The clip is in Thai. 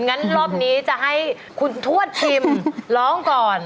งั้นรอบนี้จะให้คุณทวดพิมร้องก่อน